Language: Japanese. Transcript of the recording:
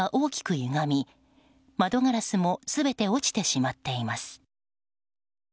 ゆがみ窓ガラスも全て落ちてしまっています。